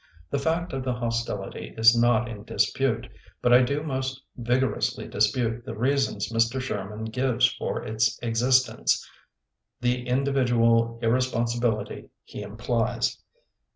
The fact of the hostility is not in dispute. But I do most vigorously dispute the reasons Mr. Sherman gives for its existence, the individual irresponsibility he im plies.